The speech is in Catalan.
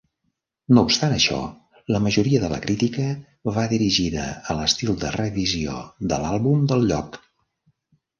No obstant això, la majoria de la crítica va dirigida a l'estil de revisió de l'àlbum del lloc.